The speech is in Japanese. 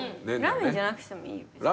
ラーメンじゃなくてもいいよ。